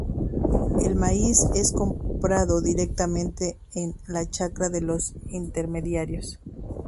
El maíz, es comprado directamente en la chacra por los intermediarios.